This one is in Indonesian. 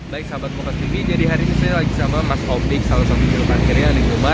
baik sahabat mokastv jadi hari ini saya lagi sama mas opik salah satu tukang parkir yang di rumah